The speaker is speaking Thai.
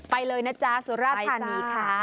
ไปเลยนะจ๊ะสุราธานีค่ะ